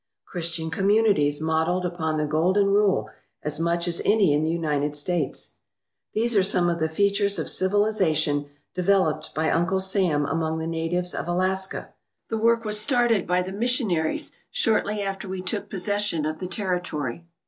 Christian communities modelled upon the Golden Rule as much as any in the United States! These are some of thel^atures of civilization developed by Uncle Sam among the natives of Alaska. The work was started by the missionaries shortly after we took possession of the territory.